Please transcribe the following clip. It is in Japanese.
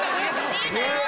逃げたよ。